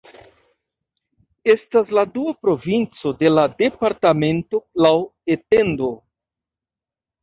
Estas la dua provinco de la departamento laŭ etendo.